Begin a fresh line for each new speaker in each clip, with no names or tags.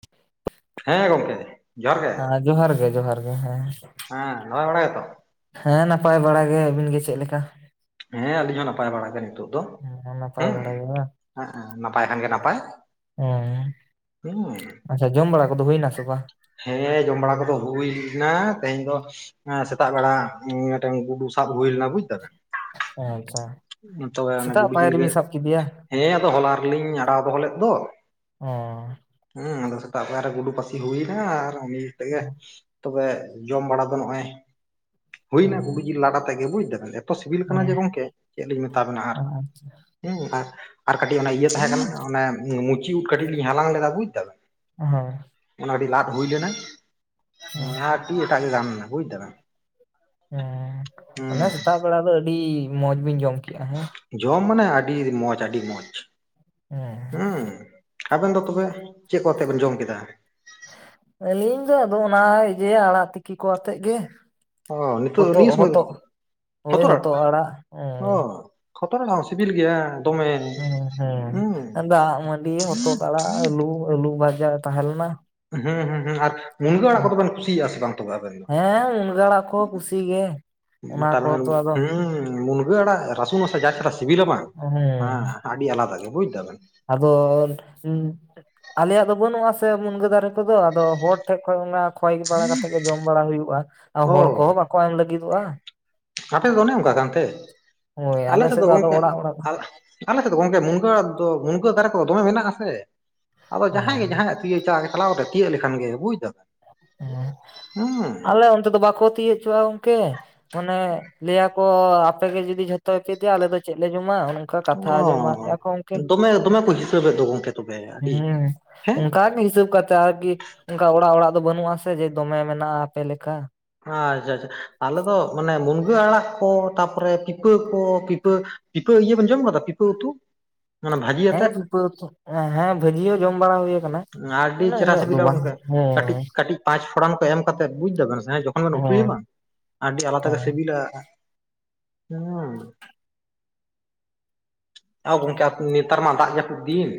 [inaudible]
ᱦᱮᱸ ᱜᱚᱝᱠᱮ ᱡᱚᱦᱟᱨ ᱜᱮ ᱾
[inaudible] ᱡᱚᱦᱟᱨ ᱜᱮ ᱡᱚᱦᱟᱨ ᱜᱮ ᱦᱮᱸ ᱾
ᱦᱮᱸ ᱱᱟᱯᱟᱭ ᱵᱟᱲᱟ ᱜᱮᱛᱚ?
ᱦᱮᱸ ᱱᱟᱯᱟᱭ ᱵᱟᱲᱟ ᱜᱮ ᱟᱹᱵᱤᱱ ᱜᱮ ᱪᱮᱜ ᱞᱮᱠᱟ?
ᱦᱮᱸ ᱟᱹᱞᱤᱧ ᱦᱚᱸ ᱱᱟᱯᱟᱭ ᱵᱟᱲᱟ ᱜᱮ ᱱᱤᱛᱚᱜ ᱫᱚ
ᱦᱮᱸ ᱱᱟᱯᱟᱭ
ᱦᱩᱸ
ᱵᱟᱲᱟ ᱜᱮ ᱵᱟᱝ
ᱦᱮᱸᱜ ᱮ ᱱᱟᱯᱟᱭ ᱠᱷᱟᱱ ᱜᱮ ᱱᱟᱯᱟᱭ ᱾
[inaudible] ᱟᱪᱪᱷᱟ ᱡᱚᱢ ᱵᱟᱲᱟ ᱠᱚᱫᱚ ᱦᱩᱭᱱᱟ ᱥᱮ ᱵᱟᱝ?
ᱦᱮᱸ ᱡᱚᱢ ᱵᱟᱲᱟ ᱠᱚᱫᱚ ᱦᱩᱭᱱᱟ ᱛᱮᱦᱮᱧ ᱫᱚ ᱾ ᱮᱸ ᱥᱮᱛᱟᱜ ᱵᱮᱲᱟ ᱢᱮ ᱴᱮᱝ ᱜᱩᱰᱩ ᱥᱟᱵ ᱦᱩᱭ ᱞᱮᱱᱟ ᱵᱩᱡᱽ ᱫᱟᱵᱮᱱ?
ᱮᱸ ᱟᱪᱪᱷᱟ ᱾
ᱛᱚᱵᱮ ᱚᱱᱮ ᱜᱩᱰᱩ ᱡᱤᱞ ᱜᱮ ᱦᱮᱸ ᱟᱫᱚ ᱦᱚᱞᱟ ᱨᱮ ᱞᱤᱧ ᱟᱲᱟᱣ ᱫᱚᱦᱚ ᱞᱮᱫ ᱫᱚ ᱾
ᱚᱸ
ᱩᱸ ᱟᱫᱚ ᱥᱮᱛᱟᱜ ᱯᱟᱭᱟᱨ ᱨᱮ ᱜᱩᱰᱩ ᱯᱟᱥᱤ ᱦᱩᱭᱱᱟ ᱟᱨ ᱩᱱᱤ ᱛᱮᱜᱮ ᱛᱚᱵᱮ ᱡᱚᱢ ᱵᱟᱲᱟ ᱫᱚ ᱱᱚᱜᱼᱚᱭ
ᱦᱮᱸ
ᱦᱩᱭᱼᱱᱟ ᱜᱩᱰᱩ ᱡᱤᱞ ᱞᱟᱰᱟ ᱛᱮᱜᱮ ᱵᱩᱡᱽ ᱫᱟ ᱵᱮᱱ? ᱮᱛᱚ ᱥᱤᱵᱤᱞ ᱠᱟᱱᱟ ᱡᱮ ᱜᱚᱝᱠᱮ ᱪᱮᱫ ᱞᱤᱧ ᱢᱮᱛᱟ ᱵᱮᱱᱟ ᱟᱨ ᱩᱸ ᱟᱨ ᱟᱨ ᱠᱟᱹᱴᱤᱡ ᱚᱱᱟ ᱤᱭᱟᱹ ᱛᱟᱦᱮᱸ ᱠᱟᱱᱟ ᱚᱱᱮ ᱢᱩᱪᱤ ᱩᱸᱫ ᱠᱟᱹᱴᱤᱡ ᱞᱤᱧ ᱦᱟᱞᱟᱝ ᱞᱮᱫᱟ ᱵᱩᱡᱽ ᱫᱟ ᱵᱮᱱ?
ᱦᱳᱭ᱾
ᱚᱱᱟ ᱟᱹᱰᱤ ᱞᱟᱫ ᱦᱩᱭ ᱞᱮᱱᱟ ᱟᱻᱰᱤ ᱮᱴᱟᱜ ᱜᱮ ᱜᱟᱱ ᱞᱮᱱᱟ ᱵᱩᱡᱽ ᱫᱟ ᱵᱮᱱ᱾
ᱦᱮᱸ ᱚᱱᱟ ᱥᱮᱛᱟᱜ ᱵᱮᱲᱟ ᱫᱚ ᱟᱹᱰᱤ ᱢᱚᱸᱡᱽ ᱵᱤᱧ ᱡᱚᱢ ᱠᱮᱜ-ᱟ ᱦᱮᱸ?
ᱡᱚᱢ ᱢᱟᱱᱮ ᱟᱹᱰᱤ ᱢᱚᱸᱡᱽ ᱟᱹᱰᱤ ᱢᱚᱸᱡᱽ᱾
[inaudible]
ᱦᱩᱸ ᱟᱵᱮᱱ ᱫᱚ ᱛᱚᱵᱮ, ᱪᱮᱫ ᱠᱚ ᱟᱛᱮ ᱵᱮᱱ ᱡᱚᱢ ᱠᱮᱫᱟ?
ᱟᱹᱞᱤᱧ ᱫᱚ ᱟᱫᱚ ᱚᱱᱟ ᱤᱭᱟᱹ ᱟᱲᱟᱜ ᱛᱤᱠᱤ ᱠᱚ ᱟᱛᱮᱫ ᱜᱮ᱾
ᱚᱸᱻ ᱱᱤᱛᱚᱜ
ᱦᱚᱛᱚᱫ
ᱱᱤᱭᱮ ᱥᱳᱢᱳᱭ,
ᱦᱚᱛᱚᱫ
ᱦᱚᱛᱚᱫ ᱟᱲᱟᱜ ᱚᱸᱻ ᱦᱚᱛᱚᱫ ᱟᱲᱟᱜ ᱦᱚᱸ ᱥᱤᱵᱤᱞ ᱜᱮᱭᱟ᱾ ᱫᱚᱢᱮ ᱦᱩᱸ
ᱦᱮᱸ ᱦᱮᱸ ᱫᱟᱜ ᱢᱟᱺᱰᱤ ᱦᱚᱛᱚᱫ ᱟᱲᱟᱜ ᱟᱹᱞᱩ ᱟᱹᱞᱩ ᱵᱷᱟᱡᱟ ᱛᱟᱦᱮᱸ ᱞᱮᱱᱟ
ᱦᱩᱸᱦᱩᱸᱦᱩᱸ ᱟᱨ ᱢᱩᱱᱜᱟᱹ ᱟᱲᱟᱜ ᱠᱚᱫᱚ ᱵᱮᱱ ᱠᱩᱥᱤᱭᱟᱜᱼᱟ ᱥᱮ ᱵᱟᱝ ᱛᱚᱵᱮ ᱟᱵᱮᱱ?
ᱦᱮᱸ ᱢᱩᱱᱜᱟᱹ ᱟᱲᱟᱜ ᱠᱚ ᱠᱩᱥᱤ ᱜᱮ ᱚᱱᱟ ᱠᱚᱛᱚ
[inaudible]
ᱟᱫᱚ
ᱦᱩᱸ ᱢᱩᱱᱜᱟᱹ ᱟᱲᱟᱜ ᱨᱟᱥᱩᱱ ᱟᱛᱮ ᱡᱟ ᱪᱷᱟᱨᱟ ᱥᱤᱵᱤᱞᱟ ᱥᱮ ᱵᱟᱝ ᱮᱻ ᱟᱹᱰᱤ ᱟᱞᱟᱫᱟ ᱜᱮ ᱵᱩᱡᱽ ᱫᱟ ᱵᱮᱱ᱾
ᱟᱫᱚᱻ ᱦᱩᱸ ᱟᱞᱮᱭᱟᱜ ᱫᱚ ᱵᱟᱹᱱᱩᱜ-ᱟ ᱥᱮ ᱢᱩᱱᱜᱟᱹ ᱫᱟᱨᱮ ᱠᱚᱫᱚ ᱟᱫᱚ ᱦᱚᱲ ᱴᱷᱮᱡᱽ ᱠᱷᱚᱱ ᱚᱱᱟ ᱠᱷᱚᱭ ᱵᱟᱲᱟ ᱠᱟᱛᱮ ᱜᱮ ᱡᱚᱢ ᱵᱟᱲᱟ ᱦᱩᱭᱩᱜ-ᱟ, ᱟᱨ
ᱚ
ᱦᱚᱲ ᱠᱚᱦᱚᱸ ᱵᱟᱠᱚ ᱮᱢ ᱞᱟᱹᱜᱤᱫᱚᱜ-ᱟ᱾
ᱟᱯᱮ ᱫᱚ ᱚᱱᱮ ᱚᱱᱠᱟ ᱠᱟᱱ ᱛᱮ,
ᱦᱳᱭ
ᱟᱞᱮ ᱥᱮᱫ ᱫᱚ
ᱟᱫᱚ
ᱜᱚᱝᱠᱮ
ᱚᱲᱟᱜ ᱚᱲᱟᱜ
ᱟᱞ ᱟᱞᱮ ᱥᱮᱫ ᱫᱚ ᱜᱚᱝᱠᱮ ᱢᱩᱱᱜᱟᱹ ᱟᱲᱟᱜ ᱫᱚ ᱢᱩᱱᱜᱟᱹ ᱫᱟᱨᱮ ᱠᱚ ᱫᱚᱢᱮ ᱢᱮᱱᱟᱜᱼᱟ ᱥᱮ ᱟᱫᱚ ᱡᱟᱦᱟᱸᱭ
ᱦᱮᱸ
ᱜᱮ ᱡᱟᱦᱟᱸᱭᱟᱜ [inaudible] ᱪᱟᱞᱟᱣ ᱠᱟᱛᱮ ᱛᱤᱭᱟᱹᱜ ᱞᱮᱠᱷᱟᱱ ᱜᱮ ᱵᱩᱡᱽ ᱫᱟᱢ᱾
ᱟᱞᱮ ᱚᱱᱛᱮ ᱫᱚ ᱜᱚᱝᱠᱮ ᱵᱟᱠᱚ ᱛᱤᱭᱟᱹᱜ ᱦᱚᱪᱚᱣᱟᱜᱼᱟ ᱜᱚᱝᱠᱮ ᱢᱟᱱᱮ ᱞᱟᱹᱭᱟ ᱠᱚ ᱠᱚᱻ ᱟᱯᱮ ᱜᱮ ᱡᱩᱫᱤ ᱡᱷᱚᱛᱚ ᱯᱮ ᱤᱫᱤᱭᱟ ᱟᱞᱮ ᱫᱚ ᱪᱮᱫ ᱞᱮ ᱡᱚᱢᱟ᱾ ᱚᱱᱠᱟ ᱠᱟᱛᱷᱟ
ᱚ
ᱟᱸᱡᱚᱢᱚᱜᱼᱟ [inaudible] ᱦᱩᱸᱻ
ᱫᱚᱢᱮ ᱫᱚᱢᱮ ᱠᱚ ᱦᱤᱥᱟᱹᱵᱮᱫ ᱫᱚ ᱜᱚᱝᱠᱮ ᱛᱚᱵᱮ ᱟᱹᱰᱤ ᱦᱮᱸ
ᱚᱱᱠᱟ ᱜᱮ ᱦᱤᱥᱟᱹᱵᱽ ᱠᱟᱛᱮᱫ ᱟᱨᱠᱤ ᱚᱱᱠᱟ ᱚᱲᱟᱜ ᱚᱲᱟᱜ ᱫᱚ ᱵᱟᱹᱱᱩᱜ-ᱟ ᱥᱮ ᱡᱮ ᱫᱚᱢᱮ ᱢᱮᱱᱟᱜ-ᱟ ᱟᱯᱮ ᱞᱮᱠᱟ᱾
ᱟᱪᱪᱷᱟ ᱟᱪᱪᱷᱟ ᱟᱞᱮ ᱫᱚ ᱢᱟᱱᱮ ᱢᱩᱱᱜᱟᱹ ᱟᱲᱟᱜ ᱠᱚ ᱛᱟᱯᱚᱨᱮ ᱯᱤᱯᱟᱹ ᱠᱚ ᱯᱤᱯᱟᱹ ᱯᱤᱯᱟᱹ ᱤᱭᱟᱹ ᱵᱮᱱ ᱡᱚᱢ ᱠᱟᱫᱟ ᱯᱤᱯᱟᱹ ᱩᱛᱩ ᱢᱟᱱᱮ ᱵᱷᱟᱡᱤ
ᱦᱮᱸ
ᱟᱛᱮᱫ?
ᱯᱤᱯᱟᱹ ᱩᱛᱩ ᱮᱸ ᱦᱮᱸ ᱵᱷᱟᱹᱡᱤ ᱦᱚᱸ ᱡᱚᱢ ᱵᱟᱲᱟ ᱦᱳᱭ ᱠᱟᱱᱟ᱾
ᱟᱹᱰᱤ
ᱢᱟᱱᱮ
ᱪᱮᱨᱦᱟ
ᱩᱱᱟᱹᱜ ᱫᱚ
ᱥᱤᱵᱤᱞᱟ
ᱵᱟᱝ
ᱜᱚᱝᱠᱮ ᱠᱟᱹᱴᱤᱡᱽ ᱠᱟᱹᱴᱤᱡᱽ ᱯᱟᱸᱪ ᱯᱷᱚᱲᱟᱱ ᱠᱚ ᱮᱢ ᱠᱟᱛᱮᱜ ᱵᱩᱡ ᱫᱟ ᱵᱮᱱ ᱥᱮ ᱦᱮᱸ ᱠᱷᱚᱱ ᱵᱮᱱ ᱩᱛᱩᱭᱟ
ᱦᱳᱭ
ᱵᱟᱝ ᱟᱹᱰᱤ ᱟᱞᱟᱫᱟ ᱜᱮ
ᱦᱮᱸ
ᱥᱤᱵᱤᱞᱟ᱾ ᱟᱣ ᱜᱚᱝᱠᱮ ᱟᱵᱩ ᱱᱮᱛᱟᱨ ᱢᱟ ᱫᱟᱜ ᱡᱟᱹᱯᱩᱫ ᱫᱤᱱ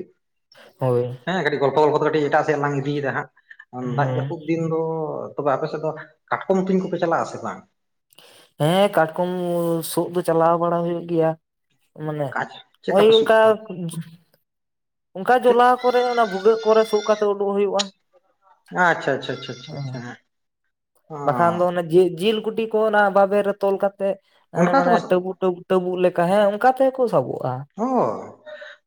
ᱦᱳᱭ᱾
ᱦᱮᱸ ᱠᱟᱹᱴᱤᱡᱽ ᱜᱚᱞᱯᱷᱚ ᱜᱚᱞᱯᱷᱚ ᱛᱮ ᱠᱟᱹᱴᱤᱡᱽ ᱮᱴᱟᱜ ᱥᱮᱫ ᱞᱟᱝ ᱤᱫᱤᱭᱮᱫᱟ ᱦᱟᱸᱜ ᱩᱸ ᱫᱟᱜ
ᱦᱮᱸ
ᱡᱟᱹᱯᱩᱫ ᱫᱤᱱ ᱫᱚ ᱛᱚᱵᱮ ᱟᱯᱮ ᱥᱮᱫ ᱫᱚ ᱠᱟᱴᱠᱚᱢ ᱛᱩᱧ ᱠᱚᱯᱮ ᱪᱟᱞᱟᱜ-ᱟ ᱥᱮ ᱵᱟᱝ?
ᱦᱮᱸ ᱠᱟᱴᱠᱚᱢᱻ ᱥᱳᱜ ᱫᱚ ᱪᱟᱞᱟᱣ ᱵᱟᱲᱟ ᱦᱳᱭᱳᱜ ᱜᱮᱭᱟ᱾ ᱢᱟᱱᱮ
ᱠᱟᱡ ᱪᱮᱫ ᱠᱟ
ᱳᱭ
ᱯᱮ ᱥᱩᱫ
ᱚᱱᱠᱟ
ᱠᱚᱣᱟ
ᱚᱱᱠᱟ
ᱪᱮᱫ
ᱡᱚᱞᱟᱣ ᱠᱚᱨᱮ ᱚᱱᱟ ᱵᱷᱩᱜᱟᱹᱜ ᱠᱚᱨᱮ ᱥᱩᱜ ᱠᱟᱛᱮ ᱩᱰᱩᱜ ᱦᱳᱭᱳᱜ-ᱟ᱾
ᱟᱪᱪᱷᱟ ᱟᱪᱪᱷᱟ ᱟᱪᱪᱷᱟ ᱪᱷᱟ ᱪᱷᱟ ᱦᱮᱸ᱾
ᱵᱟᱠᱷᱟᱱ ᱫᱚ ᱚᱱᱮ ᱡᱤ-ᱡᱤᱞ ᱠᱩᱴᱤ ᱠᱚ ᱚᱱᱟ ᱵᱟᱵᱮᱨ ᱨᱮ ᱛᱚᱞ ᱠᱟᱛᱮᱫ ᱦᱟᱱᱮ
ᱚᱱᱠᱟ
ᱢᱟᱱᱮ
ᱛᱮᱠᱚ
ᱴᱟᱹᱵᱩ ᱴᱟᱹᱵᱩ ᱴᱟᱹᱵᱩᱜ ᱞᱮᱠᱟ ᱦᱮᱸ ᱚᱱᱠᱟ ᱛᱮᱦᱚᱸ ᱠᱚ ᱥᱟᱵᱚᱜ-ᱟ᱾
ᱚ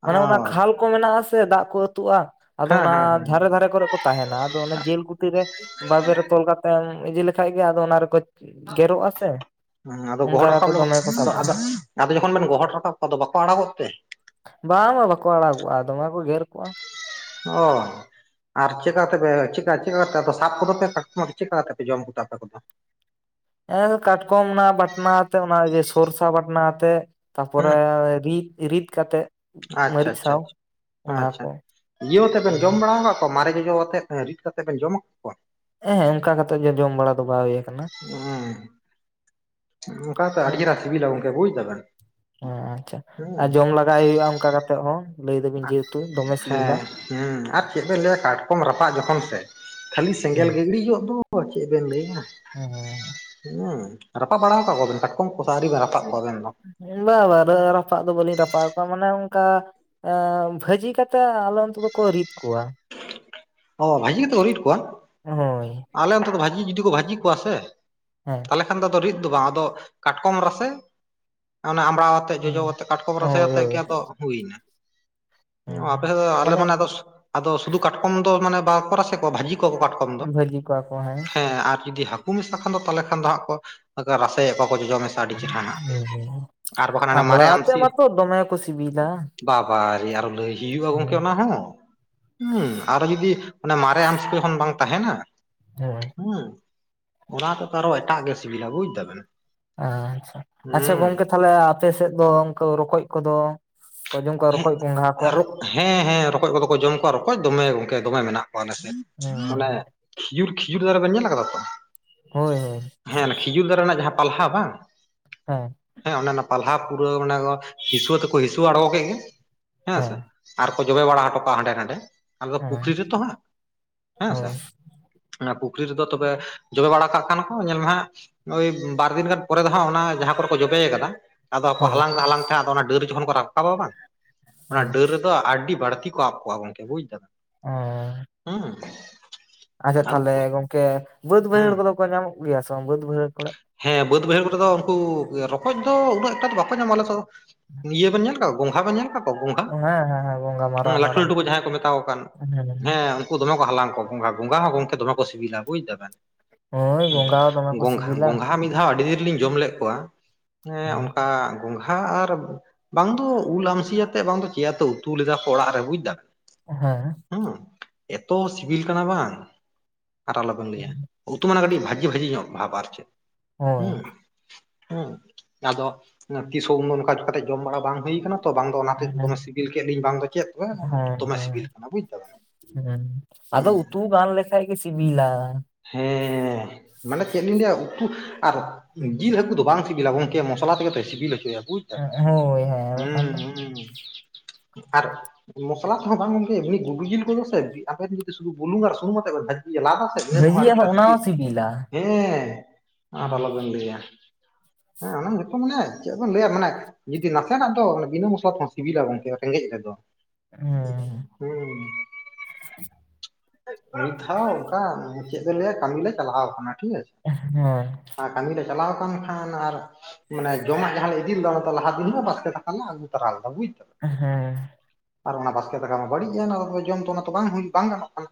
ᱚᱱᱮ ᱚᱱᱟ ᱠᱷᱟᱞ ᱠᱚ ᱢᱮᱱᱟᱜ-ᱟ ᱥᱮ ᱫᱟᱜ ᱠᱚ ᱟᱹᱛᱩᱜ-ᱟ, ᱟᱫᱚ
ᱦᱮᱸ
ᱚᱱᱟ
ᱦᱮᱸ
ᱫᱷᱟᱨᱮ
ᱦᱮᱸ
ᱫᱷᱟᱨᱮ ᱠᱚᱨᱮ ᱠᱚ ᱛᱟᱦᱮᱸᱱᱟ ᱟᱫᱚ ᱚᱱᱟ ᱡᱤᱞ ᱠᱩᱛᱤ ᱨᱮ ᱵᱟᱵᱮᱨ ᱨᱮ ᱛᱚᱞ ᱠᱟᱛᱮ ᱮᱢ ᱤᱫᱤ ᱞᱮᱠᱷᱟᱡ ᱜᱮ ᱟᱫᱚ ᱚᱱᱟ ᱨᱮᱠᱚ ᱜᱮᱨᱚᱜ-ᱟ ᱥᱮ
ᱦᱮᱸ ᱟᱫᱚ
ᱚᱱᱠᱟ
ᱜᱚᱦᱚᱲ
ᱠᱟᱛᱮ
ᱨᱟᱠᱟᱵ ᱫᱚ
ᱫᱚᱢᱮ ᱠᱚ
ᱟᱫᱚ
ᱥᱟᱵᱚᱜᱼᱟ
ᱟᱫᱚ ᱟᱫᱚ ᱡᱚᱠᱷᱚᱱ ᱵᱮᱱ ᱜᱚᱦᱚᱨ ᱨᱟᱠᱟᱵ ᱠᱚ ᱟᱫᱚ ᱵᱟᱠᱚ ᱟᱲᱟᱜᱚᱜ ᱛᱮ?
ᱵᱟᱝ ᱵᱟᱝ ᱵᱟᱠᱚ ᱟᱲᱟᱜᱚᱜ-ᱟ ᱫᱚᱢᱮ ᱠᱚ ᱜᱮᱨ ᱠᱚᱜ-ᱟ᱾
ᱚ ᱾ ᱟᱨ ᱪᱮᱠᱟ ᱠᱟᱛᱮ ᱯᱮ ᱪᱮᱠᱟ ᱪᱮᱫᱠᱟ ᱛᱮ ᱟᱯᱮ ᱥᱟᱵ ᱠᱚᱫᱚ ᱯᱮ ᱠᱟᱴᱠᱚᱢ ᱟᱫᱚ ᱪᱮᱫᱠᱟ ᱠᱟᱛᱮ ᱯᱮ ᱡᱚᱢ ᱠᱚᱛᱮ ᱟᱯᱮ ᱠᱚᱫᱚ?
ᱮ ᱠᱟᱴᱠᱚᱢ ᱚᱱᱟ ᱵᱟᱴᱱᱟ ᱟᱛᱮ ᱚᱱᱟ ᱜᱮ ᱥᱚᱨᱥᱟ ᱵᱟᱴᱱᱟ ᱟᱛᱮ,
ᱦᱩᱸ
ᱛᱟᱯᱚᱨᱮ ᱨᱤᱫ ᱨᱤᱫ ᱠᱟᱛᱮᱜ ᱾
ᱟᱪᱪᱷᱟ ᱟᱪᱪᱷᱟ ᱟᱪᱷᱟ ᱟᱪᱪᱷᱟ, ᱤᱭᱟᱹᱳ ᱟᱛᱮ ᱵᱮᱱ
ᱦᱮᱸ
ᱡᱚᱢ ᱵᱟᱲᱟᱣ ᱠᱟᱫ ᱚᱱᱠᱟ ᱢᱟᱨᱮ ᱡᱚᱡᱚ ᱣᱟᱛᱮᱫ ᱨᱤᱫ ᱠᱟᱛᱮᱫ ᱵᱮᱱ ᱡᱚᱢ ᱟᱠᱟᱫ ᱠᱚᱣᱟ?
ᱮᱸ ᱦᱮᱸ ᱚᱱᱠᱟ ᱠᱟᱛᱮᱜ ᱜᱮ ᱡᱚᱢ ᱵᱟᱲᱟ ᱫᱚ ᱵᱟᱭ ᱦᱩᱭ ᱟᱠᱟᱱᱟ ᱾
ᱩᱸᱻ, ᱚᱱᱠᱟ ᱠᱟᱛᱮᱫ ᱟᱹᱰᱤ ᱪᱮᱦᱨᱟ ᱥᱤᱵᱤᱞᱟ ᱜᱚᱝᱠᱮ ᱵᱩᱡᱽ ᱫᱟᱵᱮᱱ ᱾
ᱦᱮᱸ ᱟᱪᱪᱷᱟ, ᱟᱨ ᱡᱚᱢ ᱞᱟᱜᱟᱭ ᱦᱩᱭᱩᱜᱼᱟ ᱚᱱᱠᱟ ᱠᱟᱛᱮᱜ ᱦᱚᱸ ᱞᱟᱹᱭ ᱫᱟᱵᱮᱱ ᱡᱮᱦᱮᱛᱩ ᱫᱚᱢᱮ ᱥᱤᱵᱤᱞᱟ ᱾
ᱦᱮᱸ ᱟᱨ ᱪᱮᱫ ᱵᱮᱱ ᱞᱟᱹᱭᱟ ᱠᱟᱴᱠᱚᱢ ᱨᱟᱯᱟᱜ ᱡᱚᱠᱷᱚᱱ ᱥᱮ ᱠᱷᱟᱹᱞᱤ
ᱦᱮᱸ
ᱥᱮᱸᱜᱮᱞ ᱜᱮ ᱤᱸᱲᱤᱡᱚᱜ ᱫᱚ ᱾ ᱚ ᱪᱮᱫ ᱵᱮᱱ ᱞᱟᱹᱭᱟ?
ᱦᱩᱸ ᱦᱩᱸ ᱾
ᱦᱩᱸ, ᱨᱟᱯᱟᱜ ᱵᱟᱲᱟᱣ ᱟᱠᱟᱫ ᱠᱚᱣᱟᱵᱮᱱ ᱠᱟᱴᱠᱚᱢ ᱠᱚ ᱥᱮ ᱟᱹᱣᱨᱤ ᱵᱮᱱ ᱨᱟᱯᱟᱜ ᱠᱚᱣᱟ ᱟᱵᱮᱱ ᱫᱚ?
ᱵᱟ ᱵᱟ ᱨᱟᱹ ᱨᱟᱯᱟᱜ ᱫᱚ ᱵᱟᱹᱞᱤᱧ ᱨᱟᱯᱟᱜ ᱠᱚᱣᱟ ᱢᱟᱱᱮ ᱚᱱᱠᱟ ᱟᱸ ᱵᱷᱟᱹᱡᱤ ᱠᱟᱛᱮᱜ ᱟᱞᱮ ᱚᱱᱛᱮ ᱫᱚᱠᱚ ᱨᱤᱫ ᱠᱚᱣᱟ ᱾
ᱚ ᱵᱷᱟᱹᱡᱤ ᱠᱟᱛᱮᱜ ᱠᱚ ᱨᱤᱫ ᱠᱚᱣᱟ?
ᱦᱳᱭ
ᱟᱞᱮ ᱚᱱᱛᱮ ᱫᱚ ᱵᱷᱟᱹᱡᱤ ᱡᱩᱫᱤ ᱠᱚ ᱵᱷᱟᱹᱡᱤ ᱠᱚᱣᱟ ᱥᱮ
ᱦᱮᱸ ᱾
ᱛᱟᱦᱚᱞᱮ ᱠᱷᱟᱱ ᱫᱚ ᱟᱫᱚ ᱨᱤᱫ ᱫᱚ ᱵᱟᱝ ᱟᱫᱚ ᱠᱟᱴᱠᱚᱢ ᱨᱟᱥᱮ ᱚᱱᱮ ᱟᱢᱲᱟᱣ ᱟᱛ ᱟᱛᱮ ᱡᱚᱡᱚ ᱣᱟᱛᱮ ᱠᱟᱴᱚᱢ ᱨᱟᱥᱮ
ᱦᱳᱭ
ᱟᱛᱮᱜ
ᱦᱳᱭ
ᱜᱮ ᱟᱫᱚ ᱦᱩᱭᱱᱟ, ᱚ ᱟᱯᱮ ᱥᱮᱫ ᱫᱚ ᱟᱞᱮ ᱢᱟᱱᱮ ᱟᱫᱚ ᱟᱫᱚ ᱥᱩᱫᱩ ᱠᱟᱴᱠᱚᱢ ᱛᱚ ᱢᱟᱱᱮ ᱵᱟᱠᱚ ᱨᱟᱥᱮ ᱠᱚᱣᱟ ᱵᱷᱟᱹᱡᱤ ᱠᱚᱣᱟ ᱠᱚ ᱠᱟᱴᱠᱚᱢ ᱫᱚ,
ᱵᱷᱟᱹᱡᱤ ᱠᱚᱣᱟ ᱠᱚ
ᱦᱮᱸ ᱟᱨ ᱡᱩᱫᱤ ᱦᱟᱠ ᱠᱩ ᱢᱮᱥᱟ ᱠᱷᱟᱱ ᱫᱚ ᱛᱟᱦᱚᱞᱮ ᱠᱷᱟᱱ ᱫᱚ ᱦᱟᱸᱜ ᱠᱚ ᱟᱝᱠᱟ ᱨᱟᱥᱮᱭᱟ ᱠᱚᱣᱟ ᱠᱚ ᱡᱚᱡᱚ ᱢᱮᱥ
[unintelligible]
ᱟᱨ ᱵᱟᱠᱷᱟᱱ ᱦᱟᱱᱮ
ᱟᱢᱲᱟ
ᱢᱟᱨᱮ
ᱟᱛᱮ
ᱟᱢᱥᱤ,
ᱢᱟᱛᱚ ᱫᱚᱢᱮ ᱠᱚ ᱥᱤᱵᱤᱞᱟ
ᱵᱟᱵᱟᱨᱮ ᱟᱨᱚ ᱞᱟᱹᱭ ᱦᱩᱭᱩᱜᱼᱟ ᱜᱚᱝᱠᱮ
ᱦᱮᱸ
ᱚᱱᱟ ᱦᱚᱸ? ᱦᱩᱸ ᱟᱨᱚ ᱡᱩᱫᱤ ᱚᱱᱟ ᱢᱟᱨᱮ ᱟᱢᱥᱤ ᱠᱚ ᱡᱚᱠᱷᱚᱱ ᱵᱟᱝ ᱛᱟᱦᱮᱱᱟ
ᱦᱳᱭ
ᱦᱩᱸ ᱚᱱᱟ ᱟᱛᱮᱛᱚ ᱟᱨᱚ ᱮᱴᱟᱜ ᱜᱮ ᱥᱤᱵᱤᱞᱟ ᱵᱩᱡᱷ ᱫᱟᱵᱮᱱ ᱾
ᱟᱪᱪᱷᱟ, ᱟᱪᱪᱷᱟ ᱜᱚᱝᱠᱮ ᱛᱟᱦᱞᱮ ᱟᱯᱮ ᱥᱮᱫ ᱫᱚ ᱚᱝᱠᱟ ᱨᱚᱠᱚᱡ ᱠᱚᱫᱚ ᱠᱚ ᱡᱚᱢ ᱠᱚᱣᱟ
ᱦᱮᱸ
ᱨᱚᱠᱚᱡ ᱜᱚᱸᱜᱷᱟ ᱠᱚ
ᱨᱚᱠ ᱦᱮᱸ ᱦᱮᱸ ᱨᱚᱠᱚᱡ ᱠᱚᱫᱚ ᱠᱚ ᱡᱚᱢ ᱠᱚᱣᱟ ᱨᱚᱠᱚᱡ ᱫᱚᱢᱮ ᱜᱚᱝᱠᱮ ᱫᱚᱢᱮ ᱢᱮᱱᱟᱜ ᱠᱚᱣᱟ ᱟᱞᱮ ᱥᱮᱫ ᱾ ᱢᱟᱱᱮ
ᱦᱮᱸ
ᱠᱷᱤᱡᱩᱨ ᱠᱷᱤᱡᱩᱨ ᱫᱟᱨᱮ ᱵᱮᱱ ᱧᱮᱞ ᱠᱟᱫᱟ ᱛᱚ?
ᱦᱳᱭ ᱦᱳᱭ ᱾
ᱦᱮᱸᱱ ᱠᱷᱤᱡᱩᱨ ᱫᱟᱨᱮ ᱨᱮᱱᱟᱜ ᱡᱟᱦᱟᱸ ᱯᱟᱞᱦᱟ ᱵᱟᱝ
ᱦᱮᱸ ᱾
ᱦᱮᱸ ᱚᱱᱮ ᱚᱱᱟ ᱯᱟᱞᱦᱟ ᱯᱩᱨᱟᱹ ᱢᱟᱱᱮ ᱠᱚ ᱦᱤᱥᱣᱟᱹ ᱛᱮᱠᱚ ᱦᱤᱥᱣᱟᱹ ᱟᱬᱜᱚ ᱠᱮᱫ ᱜᱮ ᱦᱮᱸ ᱥᱮ ᱟᱨ ᱠᱚ ᱡᱚᱵᱮ ᱵᱟᱲᱟ ᱦᱚᱴᱚ ᱠᱟᱜᱼᱟ ᱦᱟᱸᱰᱮ ᱱᱟᱰᱮ ᱾ ᱟᱞᱮ ᱫᱚ ᱯᱩᱠᱷᱨᱤ
ᱦᱮᱸ
ᱨᱮᱛᱚ ᱦᱟᱸᱜ ᱦᱮᱸᱥᱮ
ᱦᱳᱭ
᱾ ᱚᱱᱟ ᱯᱩᱠᱷᱨᱤ ᱨᱮᱫᱚ ᱛᱚᱵᱮ ᱡᱚᱵᱮ ᱵᱟᱲᱟ ᱠᱟᱜ ᱠᱷᱟᱱ ᱠᱚ ᱧᱮᱞ ᱢᱮ ᱦᱟᱸᱜ ᱳᱭ ᱵᱟᱨ ᱫᱤᱱ ᱜᱟᱱ ᱯᱚᱨᱮ ᱫᱚ ᱦᱟᱸᱜ ᱚᱱᱟ ᱡᱟᱦᱟᱸ ᱠᱚᱨᱮ ᱠᱚ ᱡᱚᱵᱮᱭ ᱟᱠᱟᱫᱟ ᱟᱫᱚ ᱟᱠᱚ
ᱦᱳᱭ
ᱦᱟᱞᱟᱝ ᱦᱟᱞᱟᱝ ᱛᱮ ᱦᱟᱸᱜ ᱟᱫᱚ ᱚᱱᱟ ᱰᱟᱹᱨ ᱡᱚᱠᱷᱚᱱ ᱠᱚ ᱨᱟᱠᱟᱵᱟ ᱵᱟᱝ ᱚᱱᱟ
ᱦᱳᱭ
ᱰᱟᱹᱨ ᱨᱮᱫᱚ ᱟᱹᱰᱤ ᱵᱟᱹᱲᱛᱤ ᱠᱚ ᱟᱵ ᱠᱚᱜᱼᱟ ᱜᱚᱝᱠᱮ ᱵᱩᱡᱽ ᱫᱟᱵᱮᱱ,
ᱦᱮᱸ
ᱦᱩᱸ ᱾
ᱟᱪᱪᱷᱟ ᱛᱷᱟᱞᱮ ᱜᱚᱝᱠᱮ ᱵᱟᱹᱫᱽ ᱵᱟᱹᱭᱦᱟᱹᱲ
ᱦᱩᱸ
ᱠᱚᱫᱚ ᱠᱚ ᱧᱟᱢᱚᱜ ᱜᱮᱭᱟ ᱥᱮ ᱵᱟᱝ ᱵᱟᱹᱫᱽ ᱵᱟᱹᱭᱦᱟᱹᱲ ᱠᱚᱨᱮ?
ᱦᱮᱸ ᱵᱟᱹᱫᱽ ᱵᱟᱹᱭᱦᱟᱹᱲ ᱠᱚᱨᱮ ᱫᱚ ᱩᱝᱠᱩ ᱨᱚᱠᱚᱡ ᱫᱚ ᱩᱱᱟᱹᱜ ᱴᱟ ᱫᱚ ᱵᱟᱠᱚ ᱧᱟᱢᱚᱜᱼᱟ ᱟᱞᱮ ᱥᱮᱫ ᱫᱚ ᱤᱭᱟᱹ ᱵᱮᱱ ᱧᱮᱞ ᱠᱟᱜ ᱜᱚᱸᱝᱜᱷᱟ ᱵᱮᱱ ᱧᱮᱞ ᱟᱠᱟᱫ ᱠᱚᱣᱟ ᱜᱚᱸᱝᱜᱷᱟ
ᱦᱮᱸ ᱦᱮᱸ ᱦᱮᱸ ᱜᱚᱝᱜᱷᱟ
ᱦᱮᱸ
ᱢᱟᱨᱟᱝ
ᱞᱟᱹᱴᱩ
ᱢᱟᱨᱟᱝ
ᱞᱟᱹᱴᱩ ᱠᱚ ᱡᱟᱦᱟᱸᱭ ᱠᱚ ᱢᱮᱛᱟ ᱠᱚ ᱠᱟᱱ? ᱦᱮᱸ ᱩᱱᱠᱩ ᱫᱚᱢᱮ ᱠᱚ ᱦᱟᱞᱟᱝ ᱠᱚᱣᱟ ᱜᱚᱸᱝᱜᱷᱟ ᱜᱚᱸᱝᱜᱟ ᱦᱚᱸ ᱜᱚᱢᱠᱮ ᱫᱚᱢᱮ ᱠᱚ ᱥᱤᱵᱤᱞᱟ ᱵᱩᱡᱽ ᱫᱟᱵᱮᱱ ᱾
ᱦᱳᱭ ᱜᱚᱝᱜᱷᱟ ᱦᱚᱸ ᱫᱚᱢᱮ ᱠᱚ
ᱜᱚᱸᱝᱜᱷᱟ
ᱥᱤᱵᱤᱞᱟ
ᱜᱚᱸᱝᱜᱷᱟ ᱢᱤᱫ ᱫᱷᱟᱣ ᱟᱹᱰᱤ ᱫᱤᱱ ᱨᱮᱞᱤᱧ ᱡᱚᱢ ᱞᱮᱫ ᱠᱚᱣᱟ, ᱮᱸ
ᱦᱮᱸ
ᱚᱱᱠᱟ ᱜᱚᱝᱜᱷᱟ ᱟᱨ ᱵᱟᱝ ᱫᱚ ᱩᱞ ᱟᱢᱥᱤᱭᱟᱛ ᱛᱮᱫ ᱵᱟᱝ ᱫᱚ ᱪᱤᱭᱟᱛᱚ ᱩᱛᱩ ᱞᱮᱫᱟ ᱠᱚ ᱚᱲᱟᱜ ᱨᱮ ᱵᱩᱡ ᱫᱟᱢ,
ᱦᱮᱸ,
ᱦᱮᱸ, ᱮᱛᱚ ᱥᱤᱵᱤᱞ ᱠᱟᱱᱟ ᱵᱟᱝ ᱟᱨ ᱟᱞᱚᱵᱮᱱ ᱞᱟᱹᱭᱟ ᱩᱛᱩ ᱢᱟᱱᱮ ᱠᱟᱹᱴᱤᱡ ᱵᱷᱟᱹᱜᱤ ᱵᱷᱟᱹᱡᱤ ᱧᱚᱜ ᱵᱷᱟᱵ ᱟᱨ ᱪᱮᱫ᱾
ᱦᱳᱭ
ᱩᱸ, ᱦᱮᱸ, ᱟᱫᱚ ᱛᱤᱥ ᱦᱚᱸ ᱩᱱᱫᱚ ᱱᱚᱝᱠᱟ ᱠᱟᱛᱮ ᱡᱚᱢ ᱵᱟᱲᱟ ᱵᱟᱝ ᱦᱩᱭ ᱠᱟᱱᱟ ᱛᱚ ᱵᱟᱝ ᱫᱚ
ᱦᱮᱸ
ᱦᱟᱛᱮᱫ
ᱦᱮᱸ
ᱫᱚᱢᱮ ᱥᱤᱵᱤᱞ ᱠᱮᱫ ᱞᱤᱧ ᱵᱟᱝ ᱫᱚ ᱪᱮᱫ ᱛᱚᱵᱮ ᱫᱚᱢᱮ ᱥᱤᱵᱤᱞ ᱠᱟᱱᱟ ᱵᱩᱡ ᱫᱟᱵᱮᱱ᱾
ᱦᱮᱸ ᱟᱫᱚ
ᱦᱩᱸ
ᱩᱛᱩ ᱜᱟᱱ ᱞᱮᱠᱷᱟᱭ ᱜᱮ ᱥᱤᱵᱤᱞᱟ᱾
ᱦᱮᱸᱻ ᱢᱟᱱᱮ ᱪᱮᱫ ᱞᱤᱧ ᱞᱟᱹᱭᱟ ᱩᱛᱩ ᱟᱨ ᱡᱤᱞ ᱦᱟᱹᱠᱩ ᱫᱚ ᱵᱟᱝ ᱥᱤᱵᱤᱞᱟ ᱜᱚᱝᱠᱮ ᱢᱚᱸᱥ ᱞᱟ ᱛᱮᱜᱮ ᱛᱚᱭ ᱥᱤᱵᱤᱞ ᱦᱚᱪᱚᱭᱟ ᱵᱩᱡ ᱫᱟᱵᱮᱱ᱾
ᱦᱳᱭ ᱦᱮᱸ ᱵᱟᱠᱷᱟᱱ
ᱦᱩᱸ,
ᱫᱚ
ᱦᱩᱸ, ᱟᱨ ᱢᱚᱥᱞᱟ ᱛᱮᱦᱚᱸ ᱵᱟᱝ ᱜᱚᱝᱠᱮ ᱮᱢᱱᱤ ᱜᱩᱰᱩ ᱡᱤᱞ ᱠᱚᱫᱚ ᱥᱮ ᱟᱵᱮᱱ ᱡᱩᱫᱤ ᱥᱩᱫᱩ ᱵᱩᱞᱩᱝ ᱟᱨ ᱥᱩᱱᱩᱢ ᱟᱛᱮ ᱵᱮᱱ ᱵᱷᱟᱹᱡᱤ ᱞᱟᱫᱼᱟ ᱥᱮ᱾ ᱤᱱᱟᱹ ᱛᱮᱦᱚᱸ ᱟᱹᱰᱤ
ᱵᱷᱟᱹᱡᱤᱭᱟ
ᱪᱮᱦᱨᱟ
ᱦᱟᱸᱜ ᱚᱱᱟ
ᱥᱤᱵᱤᱞ
ᱦᱚᱸ ᱥᱤᱵᱤᱞᱟ᱾
ᱦᱮᱸ ᱟᱨ ᱟᱞᱚᱵᱮᱱ ᱞᱟᱹᱭᱟ᱾ ᱦᱮᱸ ᱚᱱᱟ ᱧᱩᱛᱩᱢ ᱢᱟᱱᱮ ᱪᱮᱫ ᱵᱚᱱ ᱞᱟᱹᱭᱟ ᱢᱟᱱᱮ ᱡᱩᱫᱤ ᱱᱟᱥᱮᱱᱟᱜ ᱫᱚ ᱵᱤᱹᱱᱟᱹ ᱢᱚᱥᱚᱞᱟ ᱛᱮᱦᱚᱸ ᱥᱤᱵᱤᱞᱟ ᱜᱚᱝᱠᱮ ᱨᱮᱸᱜᱮᱡᱽ ᱨᱮᱫᱚ᱾
ᱦᱩᱸ,
ᱦᱩᱸ, ᱢᱤᱫᱷᱟᱣ ᱚᱝᱠᱟ ᱪᱮᱫ ᱵᱮᱱ ᱞᱟᱹᱭᱟ ᱠᱟᱹᱢᱤ ᱞᱮ ᱪᱟᱞᱟᱣ ᱟᱠᱟᱱᱟ ᱴᱷᱤᱠ ᱟᱪᱷᱮ,
ᱦᱳᱭ,
ᱟᱨ ᱠᱟᱹᱢᱤ ᱞᱮ ᱪᱟᱞᱟᱣ ᱟᱠᱟᱱ ᱠᱷᱟᱱ ᱟᱨ ᱢᱟᱱᱮ ᱡᱚᱢᱟᱜ ᱡᱟᱦᱟᱸ ᱞᱮ ᱤᱫᱤ ᱞᱮᱫᱟ ᱚᱱᱟ ᱞᱟᱦᱟ ᱫᱤᱱ ᱢᱟ ᱵᱟᱥᱠᱮ ᱫᱟᱠᱟ ᱞᱮ ᱟᱹᱩ ᱛᱚᱨᱟ ᱞᱮᱫᱟ ᱵᱩᱡ ᱫᱟᱢ᱾
ᱦᱮᱸ,
ᱟᱨ ᱚᱱᱟ ᱵᱟᱥᱠᱮ ᱫᱟᱠᱟ ᱢᱟ ᱵᱟᱹᱲᱤᱡ ᱮᱱ ᱟᱫᱚ ᱛᱚᱵᱮ ᱡᱚᱢ ᱛᱚ ᱚᱱᱟ ᱛᱚ ᱵᱟᱝ ᱦᱩᱭ, ᱵᱟᱝ ᱜᱟᱱᱚᱜ ᱠᱟᱱᱟ᱾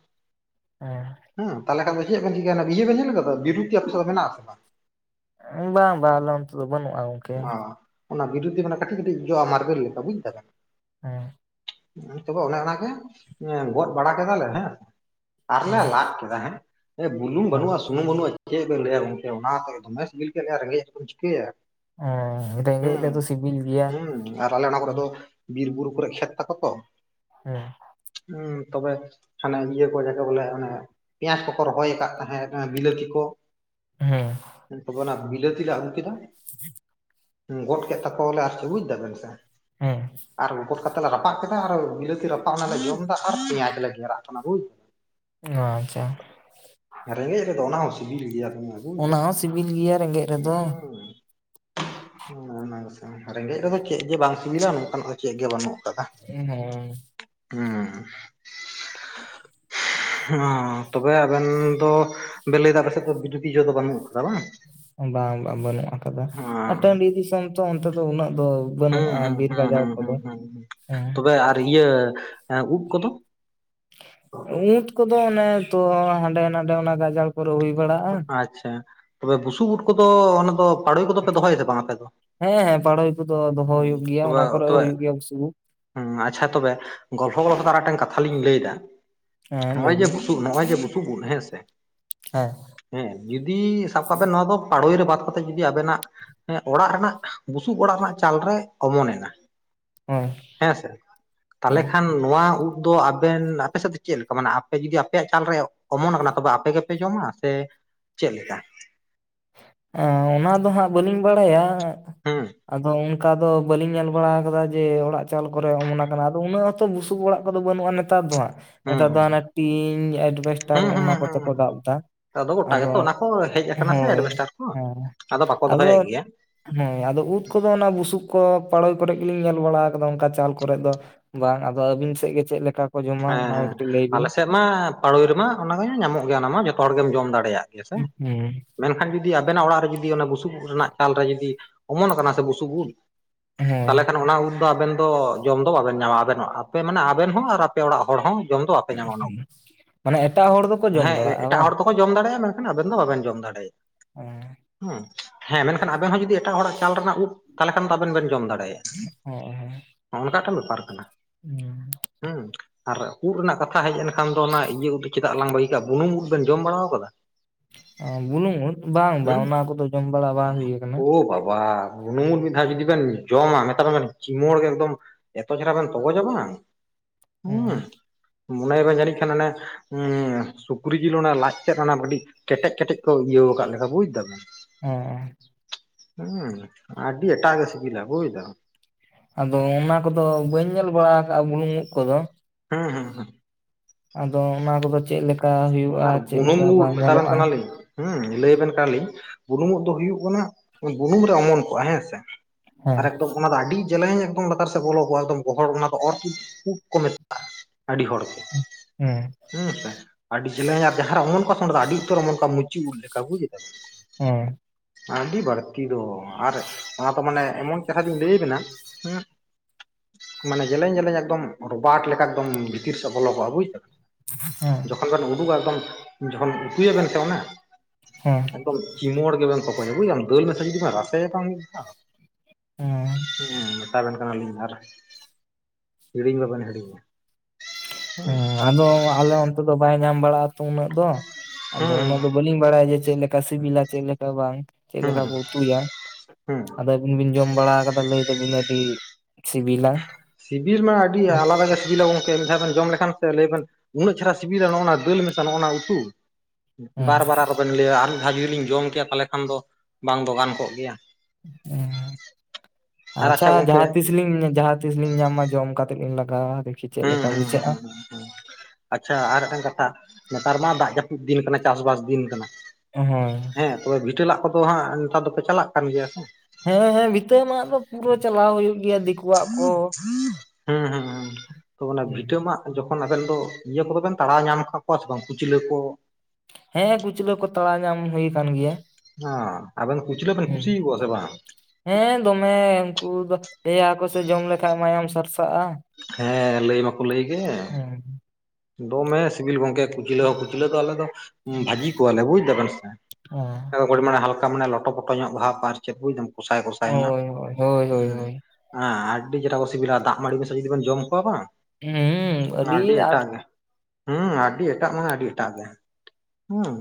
ᱦᱮᱸ,
ᱦᱩᱸ ᱛᱟᱦᱚᱞᱮ ᱠᱷᱟᱱ ᱪᱮᱫ ᱵᱮᱱ ᱪᱤᱠᱟᱹᱭᱟ, ᱤᱭᱟᱹ ᱵᱮᱱ ᱧᱮᱞ ᱟᱠᱟᱫᱟ ᱵᱤᱨᱩᱛᱤ ᱟᱯᱮᱥᱮᱫ ᱫᱚ ᱢᱮᱱᱟᱜ ᱟᱥᱮ ᱵᱟᱝ?
ᱵᱟᱝ ᱵᱟᱝ ᱟᱞᱮ ᱚᱱᱛᱮ ᱫᱚ ᱵᱟᱹᱱᱩᱜ-ᱟ ᱜᱚᱢᱠᱮ᱾
ᱚ ᱚᱱᱟ ᱵᱤᱨᱩᱛᱤ ᱢᱟᱱᱮ ᱠᱟᱹᱴᱤᱡ ᱠᱟᱹᱴᱤᱡ ᱡᱚᱼᱟ ᱢᱟᱨᱵᱮᱞ ᱞᱮᱠᱟ ᱵᱩᱡ ᱫᱟᱵᱮᱱ᱾
ᱦᱮᱸ,
ᱛᱚᱵᱮ ᱚᱱᱮ ᱚᱱᱟᱜᱮ ᱜᱚᱫᱽ ᱵᱟᱲᱟ ᱠᱮᱫᱟᱞᱮ ᱦᱮᱸ, ᱟᱨᱞᱮ
ᱦᱮᱸ
ᱞᱟᱫ ᱠᱮᱫᱟ ᱦᱮᱸ ᱵᱩᱞᱩᱢ ᱵᱟᱹᱱᱩᱜ-ᱟ ᱥᱩᱱᱩᱢ ᱵᱟᱹᱱᱩ-ᱟ ᱪᱮᱫ ᱵᱮᱱ ᱞᱟᱹᱭᱟ ᱜᱚᱝᱠᱮ ᱚᱱᱟ ᱫᱚ ᱫᱚᱢᱮ ᱥᱤᱵᱤᱞ ᱠᱮᱜ ᱞᱮᱭᱟ ᱨᱮᱸᱜᱮᱡᱽᱡᱮ [unintelligible] ᱪᱤᱠᱟᱹᱭᱟ᱾
ᱮᱸ ᱨᱮᱸᱜᱮᱡᱽ ᱨᱮᱫᱚ
ᱦᱩᱸ
ᱥᱤᱵᱤᱞ ᱜᱮᱭᱟ᱾
ᱦᱩᱸ ᱟᱨ ᱟᱞᱮ ᱚᱱᱟ ᱠᱚᱨᱮ ᱫᱚ ᱵᱤᱨ ᱵᱩᱨᱩ ᱠᱚᱨᱮ ᱠᱷᱮᱛ ᱛᱟᱠᱚ ᱛᱚ᱾
ᱦᱮᱸ,
ᱦᱩᱸ ᱛᱚᱵᱮ ᱦᱟᱱᱮ ᱤᱭᱟᱹ ᱡᱟᱠᱮ ᱵᱚᱞᱮ ᱚᱱᱮ ᱯᱮᱸᱭᱟᱡᱽ ᱠᱚᱠᱚ ᱨᱚᱦᱚᱭ ᱟᱠᱟᱫ ᱛᱟᱦᱮᱸᱫ ᱵᱤᱞᱟᱹᱛᱤ ᱠᱚ,
ᱦᱮᱸ
ᱛᱚᱵᱮᱱᱟ ᱵᱤᱞᱟᱹᱛᱤ ᱞᱮ ᱟᱹᱜᱩ ᱠᱮᱫᱟ,
[inaudible]
ᱜᱚᱫᱽ ᱠᱮᱫ ᱛᱟᱠᱚᱣᱟᱞᱮ ᱟᱨ ᱪᱮᱫ ᱵᱩᱡ ᱫᱟᱵᱮᱱ ᱥᱮ,
ᱦᱮᱸ
ᱟᱨ ᱜᱚᱫ ᱠᱟᱛᱮᱫ ᱞᱮ ᱨᱟᱯᱜ ᱠᱮᱫᱟ ᱟᱨ ᱵᱤᱞᱟᱹᱛᱤ ᱨᱟᱯᱟᱜ ᱚᱱᱟ ᱞᱮ ᱡᱚᱢ ᱮᱫᱟ ᱟᱨ ᱯᱮᱸᱭᱟᱡᱽ ᱞᱮ ᱜᱮᱨᱟᱜ ᱠᱟᱱᱟ᱾ ᱵᱩᱡ?
ᱚ, ᱟᱪᱪᱷᱟ,
ᱟᱨ ᱨᱮᱸᱜᱮᱡᱽ ᱨᱮᱫᱚ ᱚᱱᱟ ᱦᱚᱸ ᱥᱤᱵᱤᱞ ᱜᱮᱭᱟ᱾ ᱫᱚᱢᱮ ᱵᱩᱡ
ᱚᱱᱟ
ᱫᱟᱵᱮᱱ
ᱦᱚᱸ ᱥᱤᱵᱤᱞ ᱜᱮᱭᱟ ᱨᱮᱸᱜᱮᱡᱽ ᱨᱮᱫᱚ᱾
ᱮ ᱚᱱᱟ ᱜᱮᱥᱮ ᱨᱮᱸᱜᱮᱡᱽ ᱨᱮᱫᱚ ᱪᱮᱫ ᱜᱮ ᱵᱟᱝ ᱥᱤᱵᱤᱞᱟ ᱱᱚᱝᱠᱟᱱᱟᱜ ᱫᱚ ᱪᱮᱫ ᱜᱮ ᱵᱟᱹᱱᱩᱜ᱾ ᱫᱟᱫᱟ,
ᱦᱮᱸ
ᱦᱩᱸ, ᱦᱸ, ᱛᱚᱵᱮ ᱟᱵᱮᱱ ᱫᱚ ᱵᱮᱱ ᱞᱟᱹᱭᱫᱟ ᱟᱯᱮᱥᱮᱫ ᱫᱚ ᱵᱤᱨᱩᱛᱤ ᱡᱚ ᱫᱚ ᱵᱟᱹᱱᱩᱜ ᱟᱠᱟᱫᱟ ᱵᱟᱝ᱾
ᱵᱟᱝ ᱵᱟᱝ ᱵᱟᱹᱱᱩᱜ ᱟᱠᱟᱫᱟ ᱟᱨ
ᱦᱮᱸ
ᱴᱟᱺᱰᱤ ᱫᱤᱥᱚᱢ ᱛᱚ ᱚᱱᱛᱮ ᱫᱚ ᱩᱱᱟᱹᱜ ᱫᱚ
ᱦᱩᱸ
ᱵᱟᱹᱱᱩᱜᱼᱟ
ᱦᱩᱸ
ᱵᱤᱨ
ᱦᱩᱸ
ᱜᱟᱡᱟᱲ
ᱦᱩᱸ ᱦᱩ
ᱠᱚᱫᱚ
ᱦᱩᱸ
ᱦᱮᱸ
ᱛᱚᱵᱮ ᱟᱨ ᱤᱭᱟᱹ ᱩᱵᱽ ᱠᱚᱫᱚ
ᱩᱸᱛ ᱠᱚᱫᱚ ᱚᱱᱮ ᱛᱚ ᱦᱟᱸᱰᱮ ᱱᱟᱰᱮ ᱚᱱᱟ ᱜᱟᱡᱟᱲ ᱠᱚᱨᱮ ᱦᱩᱭ ᱵᱟᱲᱟᱜ
ᱟᱪᱪᱷᱟ ᱛᱚᱵᱮ ᱵᱩᱥᱩᱵ ᱩᱫ ᱠᱚᱫᱚ ᱚᱱᱟ ᱫᱚ ᱟᱲᱩᱭ ᱠᱚᱫᱚ ᱯᱮ ᱫᱚᱦᱚᱭᱮᱫᱟ ᱵᱟᱝ ᱟᱯᱮ ᱫᱚ
ᱦᱮᱸ ᱦᱮᱸ ᱯᱟᱲᱳᱭ ᱠᱚᱫᱚ ᱫᱚᱦᱚ ᱦᱩᱭᱩᱜ ᱜᱮᱭᱟ
ᱛᱚᱵᱮ
ᱚᱱᱟ ᱠᱚᱨᱮ ᱦᱚᱸ
ᱛᱚᱵᱮ
ᱦᱩᱭᱩᱜ ᱜᱮᱭᱟ ᱜᱩᱯᱤ ᱠᱚ
ᱦᱩᱸ ᱟᱪᱪᱷᱟ ᱛᱚᱵᱮ ᱜᱚᱞᱯᱷᱚ ᱜᱚᱞᱯ ᱛᱮ ᱢᱤᱫᱴᱟᱝ ᱠᱟᱛᱷᱟ ᱞᱤᱧ ᱞᱟᱹᱭ ᱮᱫᱟ
ᱦᱮᱸ ᱞᱟᱹᱭ
ᱱᱚᱜᱼᱚᱭ ᱡᱮ
ᱵᱤᱱ
ᱵᱩᱥᱩᱵ ᱱᱚᱜᱼᱚᱭ ᱡᱮ ᱵᱩᱥᱩᱵ ᱩᱫ ᱦᱮᱸ ᱥᱮ
ᱦᱮᱸ
ᱦᱮᱸ ᱡᱩᱫᱤ ᱥᱟᱵ ᱠᱟᱜ ᱵᱮᱱ ᱱᱚᱣᱟ ᱫᱚ ᱯᱟᱲᱳᱭ ᱨᱮ ᱵᱟᱫ ᱠᱟᱛᱮᱮᱫ ᱡᱩᱫᱤ ᱟᱵᱮᱱᱟᱜ ᱦᱮᱸ ᱚᱲᱟᱜ ᱨᱮᱱᱟᱜ ᱵᱩᱥᱩᱵ ᱚᱲᱟᱜ ᱨᱮᱱᱟᱜ ᱪᱟᱞᱨᱮ ᱚᱢᱚᱱ ᱮᱱᱟ᱾
ᱦᱚᱭ
ᱦᱮᱸ ᱥᱮ ᱛᱟᱦᱚᱞᱮ ᱠᱷᱟᱱ ᱱᱚᱣᱟ ᱩᱫ ᱫᱚ ᱟᱵᱮᱱ ᱟᱯᱮ ᱥᱮᱫ ᱫᱚ ᱪᱮᱫ ᱞᱮᱠᱟ ᱢᱮᱱᱟᱜᱼᱟ ᱟᱯᱮ ᱡᱩᱚᱫᱤ ᱟᱯᱮᱭᱟᱜ ᱪᱟᱞᱨᱮ ᱚᱢᱚᱱ ᱟᱠᱟᱱᱟ ᱛᱚᱵᱮ ᱟᱯᱮ ᱜᱮᱯᱮ ᱡᱚᱢᱟ ᱥᱮ ᱪᱮᱫ ᱞᱮᱠᱟ᱾
ᱚᱱᱟ ᱫᱚ ᱦᱟᱸᱜ ᱵᱟᱹᱞᱤᱧ ᱵᱟᱲᱟᱭᱟ
ᱦᱩᱸ
ᱟᱫᱚ ᱚᱱᱠᱟ ᱫᱚ ᱵᱟᱹᱞᱤᱧ ᱧᱮᱞ ᱵᱟᱲᱟ ᱟᱠᱟᱫᱟ ᱡᱮ ᱚᱲᱟᱜ ᱪᱟᱞ ᱠᱚᱨᱮ ᱚᱢᱚᱱᱟ ᱟᱠᱟᱱᱟ ᱟᱫᱚ ᱩᱱᱟᱹᱜ ᱦᱚᱸᱛᱚ ᱵᱩᱥᱩᱵ ᱚᱲᱟᱜ ᱠᱚᱫᱚ ᱵᱟᱹᱱᱩᱜᱼᱟ ᱱᱮᱛ ᱛᱟᱨ ᱫᱚ ᱦᱟᱜ
ᱦᱩᱸ
ᱱᱮᱛᱟᱨ ᱫᱚ
ᱦᱩᱸ
ᱦᱟᱱᱮ ᱴᱤᱧ ᱮᱰᱵᱷᱮᱥᱴᱟᱨ
ᱦᱩᱸ
ᱚᱱᱟ
ᱦᱩᱸ
ᱠᱚᱛᱮ ᱠᱚ
ᱦᱩᱸ
ᱫᱟᱵ
ᱦᱩᱸ
ᱮᱫᱟ
ᱜᱚᱴᱟ
ᱟᱫᱚ
ᱜᱮᱛᱚ ᱚᱱᱟ ᱠᱚ ᱦᱮᱡ ᱟᱠᱟᱱᱟ ᱥᱮ ᱮᱰ
ᱦᱳᱭ ᱦᱮᱸ ᱟᱫᱚ ᱦᱳᱭ ᱟᱫᱚ ᱩᱫ ᱠᱚᱫᱚ ᱚᱱᱟ ᱵᱩᱥᱩᱵ ᱠᱚ ᱯᱟᱲᱳᱭ ᱠᱚᱨᱮ ᱜᱮᱞᱤᱧ ᱧᱮᱞ ᱵᱟᱲᱟ ᱠᱟᱫᱟ ᱚᱱᱠᱟ ᱪᱟᱞ ᱠᱚᱨᱮᱫ ᱫᱚ ᱵᱟᱝ ᱟᱫᱚ ᱟᱹᱵᱤᱱ ᱥᱮᱫ ᱜᱮ ᱪᱮᱫᱮ ᱞᱮᱠᱟ ᱠᱚ ᱡᱚᱢᱟ
ᱦᱮᱸ
ᱚᱱᱟᱜᱮ
ᱦᱮᱸ
ᱠᱟᱹᱴᱤᱡ ᱞᱟᱹᱭ ᱵᱤᱱ
ᱟᱞᱮ ᱥᱮᱫ ᱢᱟ ᱯᱟᱲᱳᱭ ᱨᱮᱢᱟ ᱚᱱᱟ ᱧᱟᱢᱚᱜ ᱜᱮᱭᱟ ᱚᱱᱟ ᱢᱟ ᱡᱚᱛᱚ ᱦᱚᱲ ᱜᱮᱢ ᱡᱚᱢ ᱫᱟᱲᱮᱭᱟᱜ ᱜᱮᱭᱟ ᱥᱮ
ᱦᱩᱸ
ᱢᱮᱱᱠᱷᱟᱱ ᱡᱩᱫᱤ ᱟᱵᱮᱱᱟᱜ ᱚᱲᱟᱜ ᱨᱮ ᱡᱩᱫᱤ ᱚᱱᱟ ᱵᱩᱥᱩᱵ ᱨᱮᱱᱟᱜ ᱪᱟᱞ ᱨᱮ ᱡᱩᱫᱤ ᱚᱢᱚᱱᱚᱜ ᱟᱠᱟᱱᱟ ᱥᱮ ᱵᱩᱥᱩᱵ ᱩᱫ
ᱦᱳᱭ
ᱛᱟᱦᱚᱞᱮ ᱠᱷᱟᱱ ᱚᱱᱟ ᱩᱫ ᱫᱚ ᱟᱵᱮᱱ ᱫᱚ ᱡᱚᱢ ᱫᱚ ᱵᱟᱵᱮᱱ ᱧᱟᱢᱟ ᱟᱵᱮᱱ ᱦᱚᱸ ᱟᱯᱮ ᱢᱟᱱᱮ ᱟᱵᱮᱱ ᱦᱚᱸ ᱟᱨ ᱟᱯᱮ ᱚᱲᱟᱜ ᱦᱚᱲ ᱦᱚᱸ ᱡᱚᱢ ᱫᱚ ᱵᱟᱯᱮ ᱧᱟᱢᱟ ᱚᱱᱟ ᱩᱫ
ᱢᱟᱱᱮ ᱮᱴᱟᱜ ᱦᱚᱲ ᱫᱚᱠᱚ ᱡᱚᱢ
ᱦᱮᱸ
ᱫᱟᱲᱮᱭᱟᱜᱼᱟ
ᱮᱴᱟᱜ
ᱵᱟᱝ
ᱦᱚᱲ ᱫᱚᱠᱚ ᱡᱚᱢ ᱫᱟᱲᱮᱭᱟᱜᱼᱟ ᱢᱮᱱᱠᱷᱟᱱ ᱟᱵᱮᱱ ᱫᱚ ᱵᱟᱵᱮᱱ ᱡᱚᱢ ᱫᱟᱲᱮᱭᱟᱜᱼᱟ᱾
[inaudible]
ᱦᱮᱸ ᱦᱮᱸ ᱢᱮᱱᱠᱷᱟᱱ ᱟᱵᱮᱱ ᱦᱚᱸ ᱡᱩᱫᱤ ᱮᱴᱟᱜ ᱦᱚᱲᱟᱜ ᱪᱟᱞ ᱨᱮᱱᱟᱜ ᱩᱫ ᱛᱟᱦᱚᱞᱮ ᱠᱷᱟᱱ ᱫᱚ ᱟᱵᱮᱱ ᱵᱮᱱ ᱡᱚᱢ ᱫᱟᱲᱮᱭᱟᱜᱼᱟ᱾
ᱦᱳᱭ
ᱱᱚᱜ-ᱚ ᱱᱚᱝᱠᱟ ᱵᱮᱯᱟᱨ ᱠᱟᱱᱟ᱾
[inaudible]
ᱦᱩᱸ ᱟᱨ ᱩᱫ ᱨᱮᱱᱟᱜ ᱠᱟᱛᱷᱟ ᱦᱮᱡ ᱮᱱ ᱠᱷᱟᱱ ᱫᱚ ᱚᱱᱟ ᱤᱭᱟᱹ ᱩᱫ ᱫᱚ ᱪᱮᱫᱟᱜ ᱞᱟᱝ ᱵᱟᱹᱜᱤ ᱠᱟᱜᱼᱟ ᱵᱩᱱᱩᱢ ᱩᱫ ᱵᱮᱱ ᱡᱚᱢ ᱵᱟᱲᱟ ᱟᱠᱟᱫᱟ᱾
ᱵᱩᱞᱩᱝ ᱩᱫ ᱵᱟᱝ ᱵᱟᱝ
ᱦᱩᱸ
ᱚᱱᱟ ᱠᱚᱫᱚ ᱡᱚᱢ ᱵᱟᱲᱟ ᱵᱟᱝ ᱦᱩᱭᱩ ᱟᱠᱟᱱᱟ᱾
ᱳ ᱵᱟᱵᱟ ᱵᱩᱱᱩᱢ ᱩᱫ ᱢᱤᱫ ᱫᱷᱟᱣ ᱡᱩᱫᱤ ᱵᱮᱱ ᱡᱚᱢᱟ ᱢᱮᱛᱟ ᱵᱮᱱ ᱠᱟᱱ ᱪᱤᱢᱳᱲ ᱜᱮ ᱮᱠᱫᱚᱢ ᱮᱛᱚ ᱪᱮᱦᱨᱟ ᱵᱮᱱ ᱛᱚᱜᱚᱡᱟ ᱵᱟᱝ
ᱦᱮᱸ
ᱦᱮᱸ ᱢᱚᱱᱮᱭᱟ ᱵᱮᱱ ᱡᱟᱹᱱᱤᱡ ᱠᱷᱟᱱ ᱚᱱᱮ ᱥᱩᱠᱨᱤ ᱡᱤᱞ ᱚᱱᱟ ᱞᱟᱪ ᱛᱮᱫ ᱚᱱᱟ ᱠᱟᱹᱰᱤ ᱠᱮᱴᱮᱡ ᱠᱮᱴᱮᱡ ᱠᱚ ᱤᱭᱟᱹᱣ ᱟᱠᱟᱫ ᱞᱮᱠᱟ ᱵᱩᱡ ᱮᱫᱟᱢ
ᱦᱮᱸ
ᱦᱩᱸ ᱟᱹᱰᱤᱰᱤ ᱮᱴᱟᱜ ᱜᱮ ᱥᱤᱜᱤᱞᱟ ᱵᱩᱡ ᱫᱟᱢ
ᱟᱫᱚ ᱚᱱᱟ ᱠᱚᱫᱚ ᱵᱟᱹᱧ ᱧᱮᱞ ᱵᱟᱲᱟ ᱟᱠᱟᱫᱟ ᱵᱩᱞᱩᱝ ᱩᱫ ᱠᱚᱫᱚ᱾
ᱦᱩᱸ, ᱦᱩᱸ, ᱦᱩᱸ
ᱟᱫᱚ ᱚᱱᱟ ᱠᱚᱫᱚ ᱪᱮᱫ ᱞᱮ
ᱟᱨ ᱵᱩᱱᱩᱢ ᱩᱫ ᱢᱮᱛᱟ ᱵᱮᱱ ᱠᱟᱱᱟ
ᱦᱮᱸ
ᱞᱤᱧ ᱦᱩᱸ ᱞᱟᱹᱭ ᱟᱵᱮᱱ ᱠᱟᱱ ᱞᱤᱧ ᱵᱩᱞᱩᱢ ᱩᱫ ᱫᱚ ᱦᱩᱭᱩᱜ ᱠᱟᱱᱟ ᱵᱩᱱᱩᱢ ᱨᱮ ᱚᱢᱚᱱ ᱠᱚᱜ-ᱟ ᱦᱮᱸᱥᱮ᱾ ᱟᱨ ᱮᱠᱫᱚᱢ ᱚᱱᱟ ᱫᱚ ᱟᱹᱰᱤ ᱡᱮᱞᱮᱧ ᱮᱠᱫᱚᱢ ᱞᱟᱛᱟᱨ ᱥᱮᱫ ᱵᱚᱞᱚ ᱠᱚᱜ-ᱟ ᱮᱠᱫᱚᱢ ᱜᱚᱦᱚᱲ ᱚᱱᱟ ᱫᱚ ᱚᱨ ᱛᱩᱫ ᱩᱫ ᱠᱚ ᱢᱮᱛᱟᱜ-ᱟ᱾ ᱟᱹᱰᱤ ᱦᱚᱲ ᱠᱚ᱾
ᱦᱩᱸ
ᱦᱩᱸ ᱥᱮ ᱟᱹᱰᱤ ᱡᱮᱞᱮᱧ ᱟᱨ ᱡᱟᱦᱟ ᱨᱮ ᱚᱢᱚᱱ ᱠᱚᱣᱟ ᱥᱮ ᱚᱸᱰᱮ ᱫᱚ ᱟᱹᱰᱤ ᱩᱛᱟᱹᱨ ᱚᱢᱚᱱ ᱠᱚᱜ-ᱟ ᱢᱩᱪᱤ ᱩᱸᱫ ᱞᱮᱠᱟ ᱵᱩᱡ ᱟᱠᱟᱫᱟᱢ᱾
ᱦᱩᱸ᱾
ᱟᱹᱰᱤ ᱵᱟᱹᱲᱛᱤ ᱫᱚ ᱟᱨ ᱚᱱᱟ ᱛᱚ ᱢᱟᱱᱮ ᱮᱢᱚᱱ ᱪᱮᱨᱦᱟ ᱞᱤᱧ ᱞᱟᱹᱭ ᱟᱵᱮᱱᱟ ᱩᱸᱜ ᱢᱟᱱᱮ ᱡᱮᱞᱮᱧ, ᱡᱮᱞᱮᱧ ᱮᱠᱫᱚᱢ ᱨᱚᱵᱟᱴ ᱞᱮᱠᱟ ᱮᱠᱫᱚᱢ ᱵᱷᱤᱛᱤᱨ ᱥᱮᱫ ᱵᱚᱞᱚ ᱠᱚᱜ-ᱟ ᱵᱩᱡᱫᱟᱢ᱾
ᱦᱩᱸ᱾
ᱡᱚᱠᱷᱚᱱ ᱵᱮᱱ ᱩᱰᱩᱠᱟ ᱮᱠᱫᱚᱢ ᱡᱚᱠᱷᱚᱱ ᱩᱛᱩᱭ ᱟᱵᱮᱱ ᱥᱮ ᱚᱱᱟ
ᱦᱩᱸ᱾
ᱮᱫᱚᱢ ᱪᱤᱢᱚᱲ ᱜᱮ ᱵᱮᱱ ᱛᱚᱜᱚᱡᱟ ᱵᱩᱡᱽ ᱫᱟᱢ ᱫᱟᱹᱞ ᱢᱮᱥᱟ ᱡᱩᱫᱤ ᱵᱮᱱ ᱨᱟᱥᱮᱭᱟ ᱵᱟᱝ ᱢᱤᱫ ᱫᱷᱟᱣ᱾
ᱦᱩᱸ᱾
ᱦᱩᱸ ᱢᱮᱛᱟ ᱵᱮᱱ ᱠᱟᱱᱟ ᱞᱤᱧ ᱟᱨ ᱦᱤᱲᱤᱧ ᱵᱟᱵᱮᱱ ᱦᱤᱲᱤᱧᱟ᱾ ᱦᱮᱸ
ᱦᱩᱸ ᱟᱫᱚ ᱟᱞᱮ ᱚᱱᱛᱮ ᱫᱚ ᱵᱟᱭ ᱧᱟᱢ ᱵᱟᱲᱟᱜ-ᱟ ᱛᱚ ᱩᱱᱟᱹᱜ ᱫᱚ ᱟᱫᱚ
ᱦᱮᱸ
ᱩᱱᱟᱹᱜ ᱫᱚ ᱵᱟᱹᱞᱤᱧ ᱵᱟᱲᱟᱭᱟ ᱡᱮ ᱪᱮᱫ ᱞᱮᱠᱟ ᱥᱤᱵᱤᱞᱟ ᱪᱮᱫ ᱞᱮᱠᱟ ᱵᱟᱝ ᱪᱮᱫ
ᱦᱮᱸ ᱦᱮᱸ
ᱞᱮᱠᱟ ᱠᱚ ᱩᱛᱩᱭᱟ
ᱦᱮᱸ
ᱟᱫᱚ ᱩᱱᱵᱤᱱ ᱡᱚᱢ ᱵᱟᱲᱟ ᱠᱟᱫᱟ ᱞᱟᱹᱭ ᱫᱟᱹᱵᱤᱱ ᱟᱹᱰᱤ ᱥᱤᱵᱤᱞᱟ᱾
ᱥᱤᱵᱤᱞ ᱢᱟ ᱟᱹᱰᱤ ᱟᱞᱟᱫᱟ ᱜᱮ ᱥᱤᱵᱤᱞᱟ ᱜᱚᱝᱠᱮ ᱢᱤᱫ ᱫᱷᱟᱣ ᱵᱮᱱ ᱡᱚᱢ ᱞᱮᱠᱷᱟᱱ ᱥᱮ ᱞᱟᱹᱭ ᱟᱵᱮᱱ ᱩᱱᱟᱹᱜ ᱪᱮᱦᱨᱟ ᱥᱤᱵᱤᱞᱟ ᱱᱚᱜ-ᱚᱱᱟ ᱫᱟᱹᱞ ᱢᱮᱥᱟ ᱱᱚᱜ-ᱚᱱᱟ ᱩᱛᱩ᱾
ᱦᱮᱸ
ᱵᱟᱨ ᱵᱟᱨ ᱟᱨᱚ ᱵᱮᱱ ᱞᱟᱹᱭ-ᱟ ᱟᱨ ᱢᱤᱫ ᱫᱷᱟᱣ ᱡᱩᱫᱤ ᱞᱤᱧ ᱡᱚᱢ ᱠᱮᱭᱟ ᱛᱟᱦᱞᱮ ᱠᱷᱟᱱ ᱫᱚ ᱵᱟᱝ ᱫᱚᱞᱦᱟᱱ ᱠᱚᱜ ᱜᱮᱭᱟ᱾
ᱦᱩᱸ
ᱟᱨ
ᱟᱪᱪᱷᱟ
ᱜᱚᱝᱠᱮ
ᱡᱟᱦᱟ ᱛᱤᱥ ᱛᱤᱥ ᱞᱤᱧ ᱡᱟᱦᱟ ᱛᱤᱥ ᱞᱤᱧ ᱧᱟᱢᱟ ᱡᱚᱢ ᱠᱟᱛᱮᱫ ᱞᱤᱧ ᱞᱟᱜᱟᱣᱟ ᱫᱮᱠᱷᱤ ᱪᱮᱫ
ᱦᱩᱸ
ᱞᱮᱠᱟ
ᱦᱩᱸ
ᱵᱩᱡᱷᱟᱹᱜ-ᱟ᱾
ᱦᱩᱸ ᱦᱩᱸ ᱟᱪᱪᱷᱟ ᱟᱨ ᱢᱤᱫᱴᱟᱝ ᱠᱟᱛᱷᱟ ᱱᱮᱛᱟᱨ ᱢᱟ ᱫᱟᱜ ᱡᱟᱹᱯᱩᱫ ᱫᱤᱱ ᱠᱟᱱᱟ ᱪᱟᱥ ᱵᱟᱥ ᱫᱤᱱ ᱠᱟᱱᱟ
ᱦᱳᱭ᱾
ᱦᱮᱸ ᱛᱚᱵᱮ ᱵᱷᱤᱴᱟᱹ ᱞᱟᱜ ᱠᱚᱫᱚ ᱦᱟᱸᱜ ᱱᱮᱛᱟᱨ ᱫᱚᱯᱮ ᱪᱟᱞᱟᱜ ᱠᱟᱱ ᱜᱮᱭᱟ ᱥᱮ?
ᱦᱮᱸ, ᱦᱮᱸ ᱵᱤᱛᱟᱹ ᱢᱟᱜ ᱫᱚ ᱯᱩᱨᱟᱹ ᱪᱟᱞᱟᱣ ᱦᱩᱭᱩᱜ ᱜᱮᱭᱟ ᱫᱤᱠᱩᱣᱟᱜ ᱠᱚ
ᱦᱩᱸ ᱦᱩᱸ ᱦᱩᱸ ᱛᱚ ᱚᱱᱟ
ᱦᱩᱸ
ᱵᱷᱤᱴᱟᱹ ᱢᱟᱜ ᱡᱚᱠᱷᱚᱱ ᱟᱵᱮᱱ ᱫᱚ ᱤᱭᱟᱹ ᱠᱚᱫᱚ ᱵᱮᱱ ᱛᱟᱲᱟᱣ ᱧᱟᱢ ᱠᱟᱫ ᱠᱚᱣᱟ ᱥᱮ ᱵᱟᱝ ᱠᱩᱪᱞᱟᱹ ᱠᱚ?
ᱦᱮᱸ ᱠᱩᱪᱞᱟᱹ ᱠᱚ ᱛᱟᱲᱟᱣ ᱧᱟᱢ ᱦᱩᱭ ᱠᱟᱱ ᱜᱮᱭᱟ᱾
ᱦᱚᱸ ᱟᱵᱮᱱ ᱠᱩᱪᱞᱟᱹ ᱵᱮᱱ
ᱦᱩᱸ
ᱠᱩᱥᱤ ᱟᱠᱚᱣᱟ ᱥᱮ ᱵᱟᱝ?
ᱦᱮᱸ ᱫᱚᱢᱮ ᱩᱱᱠᱩ ᱫᱚ ᱞᱟᱹᱭ ᱟᱠᱚ ᱥᱮ ᱡᱚᱢ ᱞᱮᱠᱷᱟᱡ ᱢᱟᱭᱟᱢ ᱥᱟᱨᱥᱟᱜ-ᱟ᱾
ᱦᱮᱸ ᱞᱟᱹᱭ ᱢᱟᱠᱚ ᱞᱟᱹᱭ ᱜᱮ᱾
ᱦᱮᱸ
ᱫᱚᱢᱮ ᱥᱤᱵᱤᱞ ᱜᱚᱝᱠᱮ ᱠᱩᱪᱞᱟᱹ ᱦᱚᱸ ᱠᱩᱪᱞᱟᱹ ᱫᱚ ᱟᱞᱮ ᱫᱚ ᱵᱷᱟᱹᱡᱤ ᱠᱚᱣᱟ ᱞᱮ ᱵᱩᱡᱫᱟ ᱵᱮᱱ ᱥᱮ?
ᱚ᱾
ᱳᱭ ᱢᱟᱱᱮ ᱦᱟᱞᱠᱟ ᱢᱟᱱᱮ ᱞᱚᱴᱚ ᱯᱚᱴᱚ ᱧᱚᱜ ᱵᱷᱟᱯ ᱟᱨ ᱪᱮᱫ ᱵᱩᱡᱫᱟᱢ ᱠᱚᱥᱟᱭ, ᱠᱚᱥᱟᱭ ᱧᱚᱜ
ᱦᱳᱭ ᱦᱳᱭ ᱦᱳᱭ
ᱦᱩᱸ᱾
ᱦᱳᱭ ᱦᱳᱭ
ᱦᱮᱸ ᱟᱹᱰᱤ ᱪᱮᱨᱦᱟ ᱠᱚ ᱥᱤᱵᱤᱞᱟ ᱫᱟᱜ ᱢᱟᱲᱤ ᱢᱮᱥᱟ ᱡᱩᱫᱤ ᱵᱮᱱ ᱡᱚᱢ ᱠᱚᱣᱟ ᱵᱟᱝ
ᱦᱩᱸ
ᱟᱹᱰᱤ
ᱟᱸᱴ
ᱮᱴᱟᱜ ᱜᱮ᱾ᱦᱩᱸ ᱟᱹᱰᱤ ᱮᱴᱟᱜ ᱢᱟᱱᱮ ᱟᱹᱰᱤ ᱮᱴᱟᱜ ᱜᱮ᱾ ᱦᱩᱸ᱾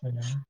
ᱦᱳᱭ ᱱᱟ᱾